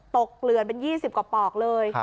เกลือนเป็น๒๐กว่าปอกเลย